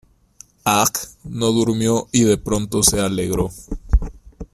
Aang no durmió y de pronto se alegró.